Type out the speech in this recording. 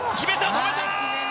止めた！